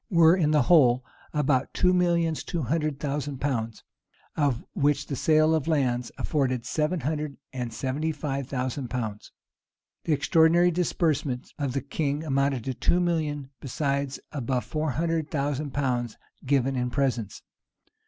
were, in the whole, about two millions two hundred thousand pounds; of which the sale of lands afforded seven hundred and seventy five thousand pounds. The extraordinary disbursements of the king amounted to two millions; besides above four hundred thousand pounds given in presents.